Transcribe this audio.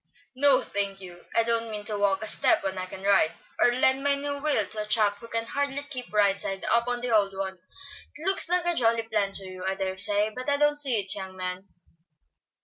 "No, thank you. I don't mean to walk a step when I can ride; or lend my new wheel to a chap who can hardly keep right side up on the old one. It looks like a jolly plan to you, I dare say, but I don't see it, young man."